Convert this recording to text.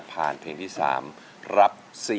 ผ่านเพลงที่๓รับ๔๐๐๐๐